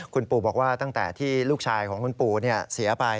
คุณปู่บอกว่าตั้งแต่ที่ลูกชายของคุณปู่เสียไป